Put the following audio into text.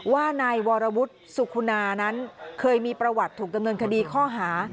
ว่านายวรวุฒิสุขุนานั้นเคยมีประวัติถูกดำเนินคดีข้อหา